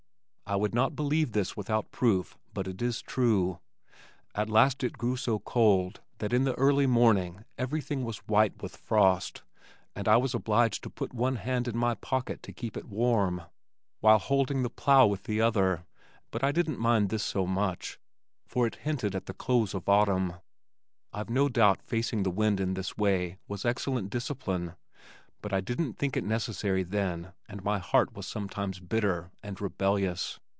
I would not believe this without proof, but it is true! At last it grew so cold that in the early morning everything was white with frost and I was obliged to put one hand in my pocket to keep it warm, while holding the plow with the other, but I didn't mind this so much, for it hinted at the close of autumn. I've no doubt facing the wind in this way was excellent discipline, but I didn't think it necessary then and my heart was sometimes bitter and rebellious.